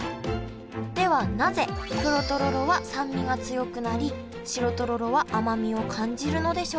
ではなぜ黒とろろは酸味が強くなり白とろろは甘みを感じるのでしょうか？